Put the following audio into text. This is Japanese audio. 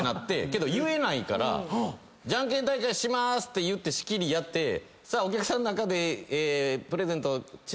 けど言えないからじゃんけん大会しまーす！って仕切りやってお客さんの中で。